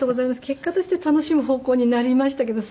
結果として楽しむ方向になりましたけど。